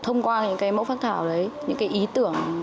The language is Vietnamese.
thông qua những cái mẫu phát thảo đấy những cái ý tưởng